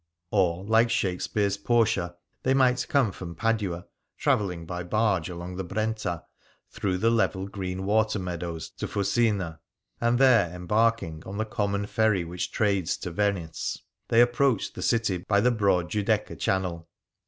Or, like Shakespeare's Portia, they might come from Padua, travelling by barge along the Brenta through the level green water meadows to Fusina, and there, embarking on the " common ferry which trades to Venice," they approached the city by the broad Giudecca Channel.